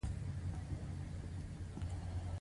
د امپریالیزم ساده مانا د نړۍ نیونه ده